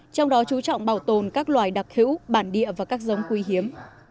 trong đó chú trọng bảo tồn các loài đặc hữu bản địa và các giống quý hiếm